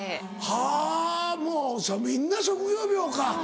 はぁもうみんな職業病か。